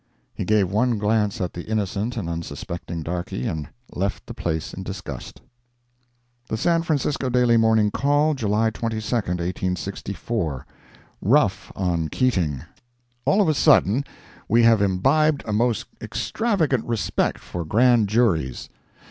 He gave one glance at the innocent and unsuspecting darkey, and left the place in disgust. The San Francisco Daily Morning Call, July 22, 1864 ROUGH ON KEATING All of a sudden, we have imbibed a most extravagant respect for Grand Juries.